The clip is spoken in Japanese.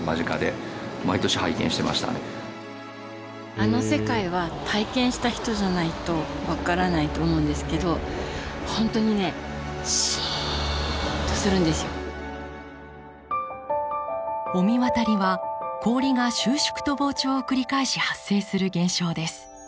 あの世界は体験した人じゃないと分からないと思うんですけど御神渡りは氷が収縮と膨張を繰り返し発生する現象です。